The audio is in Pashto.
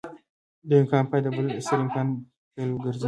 د يوه امکان پای د بل ستر امکان پيل ګرځي.